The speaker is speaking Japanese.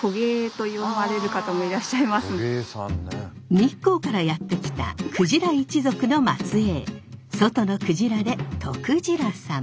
日光からやって来た久次良一族の末えい外の鯨で外鯨さん。